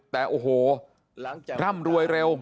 แต่โอ้โหร่ำรวยเร็ว